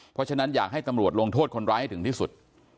เพราะฉะนั้นอยากให้ตำรวจลงโทษคนร้ายให้ถึงที่สุด